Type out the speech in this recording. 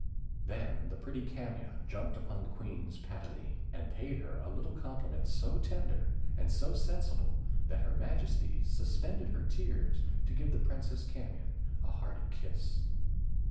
Then the pretty Camion jumped upon the Queen's palatine, and paid her a little compliment so tender and so sensible that her Majesty suspended her tears to give the Princess Camion a hearty kiss.